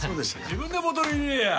自分でボトル入れやあ！